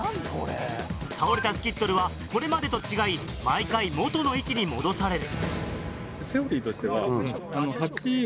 倒れたスキットルはこれまでと違い毎回元の位置に戻される。